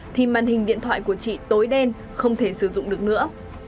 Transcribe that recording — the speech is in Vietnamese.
thì màn hình điện thoại của chị tối đen không thể sử dụng được nữa